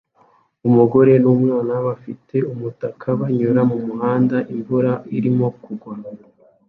Umugore n'umwana bafite umutaka banyura mumuhanda imvura irimo kugwa